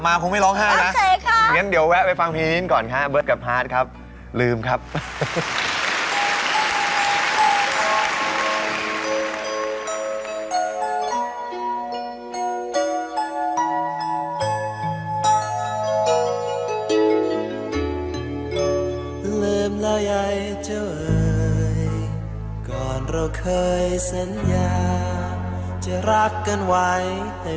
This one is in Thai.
ตอนนี้อารมณ์ดีค่ะอยู่ใกล้พี่แทนกับเราไม่ได้อย่างเงี้ย